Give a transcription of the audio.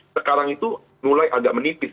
sekarang itu mulai agak menipis